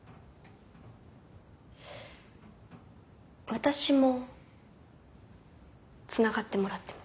私もつながってもらっても。